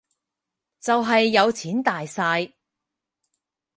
就係有錢大晒